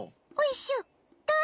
おいしょっ！